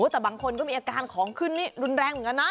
แต่บางคนก็มีอาการของขึ้นนี่รุนแรงเหมือนกันนะ